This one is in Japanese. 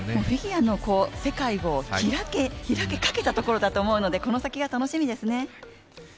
フィギュアの世界を開きかけたところだと思うのでこの先が楽しみですね。